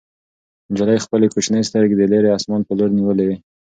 نجلۍ خپلې کوچنۍ سترګې د لیرې اسمان په لور نیولې وې.